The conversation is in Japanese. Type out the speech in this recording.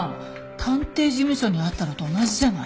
探偵事務所にあったのと同じじゃない。